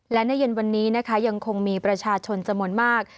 และในเย็นวันนี้นะคะยังคงมีประชาชนจำนวนมาก